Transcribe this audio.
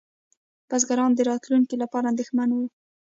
بزګران د راتلونکي لپاره اندېښمن وو.